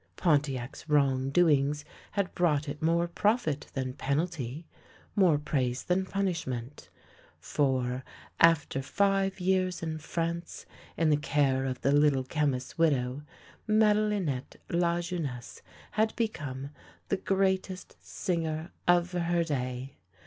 Pontiac's wrong doings had brought it more profit than penalty, more praise than punishment: for, after five years in France in the care of the Little Chemist's widow, Madelinette Lajeunesse had become the great est singer of her day.